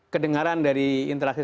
kedengaran dari interaksi